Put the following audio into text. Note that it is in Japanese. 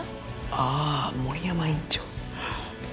ああ森山院長。